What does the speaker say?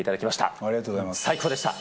ありがとうございます。